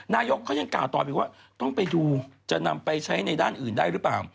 นายกเขายังกล่าวตอบอีกว่าต้องไปดูจะนำไปใช้ในด้านอื่นได้หรือเปล่า